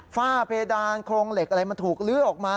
ฝ้าเพดานโครงเหล็กอะไรมันถูกลื้อออกมา